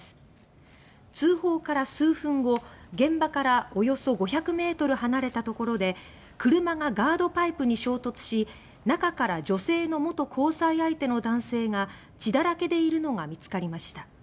通報から数分後、現場からおよそ５００ｍ離れた所で車がガードパイプに衝突し中から女性の元交際相手の男性が血だらけでいるのが見つかりました。